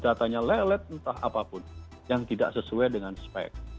datanya lelet entah apapun yang tidak sesuai dengan spek